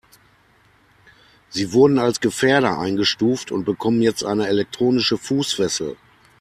Sie wurden als Gefährder eingestuft und bekommen jetzt eine elektronische Fußfessel.